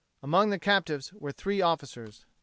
Among the captives were three officers.